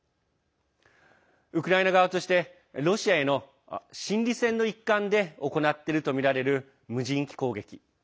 ウクライナ側としてロシアへの心理戦の一環で行っているとみられる無人機攻撃。